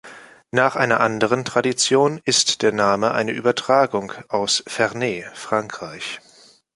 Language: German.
Nach einer anderen Tradition ist der Name eine Übertragung aus Ferney, Frankreich.